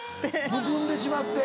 むくんでしまって。